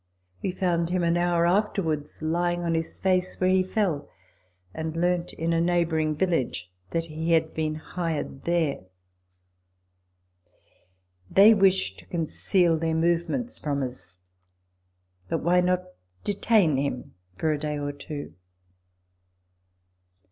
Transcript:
We found him an hour afterwards lying on his face where he fell, and learnt in a neighbouring village that he had been hired there. They wished to conceal their movements from us ; but why not detain him for a day or two